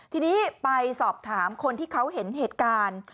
ทีนี้ไปสอบถามคนที่เขาเห็นเหตุการณ์